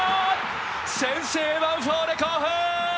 先制はヴァンフォーレ甲府！